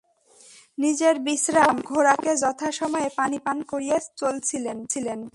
নিজের বিশ্রাম এবং ঘোড়াকে যথা সময়ে পানি পান করিয়ে চলছিলেন।